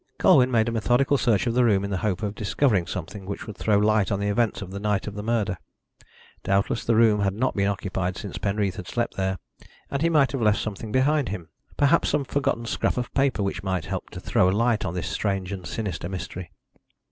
Colwyn made a methodical search of the room in the hope of discovering something which would throw light on the events of the night of the murder. Doubtless the room had not been occupied since Penreath had slept there, and he might have left something behind him perhaps some forgotten scrap of paper which might help to throw light on this strange and sinister mystery.